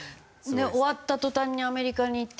終わった途端にアメリカに行って。